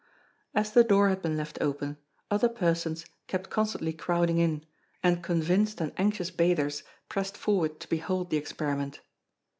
As the door had been left open, other persons kept constantly crowding in, and convinced and anxious bathers pressed forward to behold the experiment.